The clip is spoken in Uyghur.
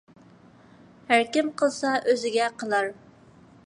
ھەركىم قىلسا ئۆزىگە قىلار.